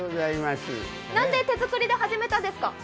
何で手作りで始めたんですか？